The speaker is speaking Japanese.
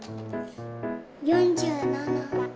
４７。